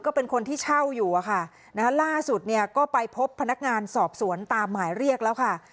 เป็นคนที่เช่าอยู่อะค่ะล่าสุดเนี่ยก็ไปพบพนักงานสอบสวนตามหมายเรียกแล้วค่ะ